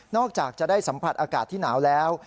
จากจะได้สัมผัสอากาศที่หนาวแล้ว